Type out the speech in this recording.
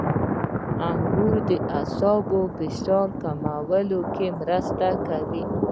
• انګور د عصبي فشار کمولو کې مرسته کوي.